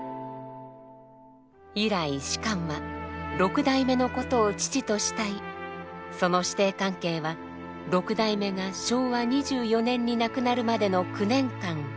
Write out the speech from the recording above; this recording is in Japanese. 以来芝は六代目のことを父と慕いその師弟関係は六代目が昭和２４年に亡くなるまでの９年間続きました。